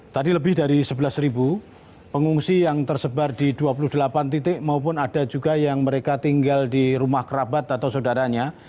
tadi lebih dari sebelas pengungsi yang tersebar di dua puluh delapan titik maupun ada juga yang mereka tinggal di rumah kerabat atau saudaranya